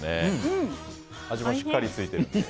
味もしっかりついてるので。